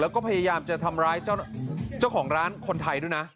แล้วก็พยายามจะทำร้ายเจ้าของร้านคนไทยด้วยนะ